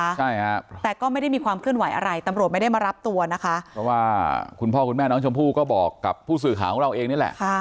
ใช่ครับแต่ก็ไม่ได้มีความเคลื่อนไหวอะไรตำรวจไม่ได้มารับตัวนะคะเพราะว่าคุณพ่อคุณแม่น้องชมพู่ก็บอกกับผู้สื่อข่าวของเราเองนี่แหละค่ะ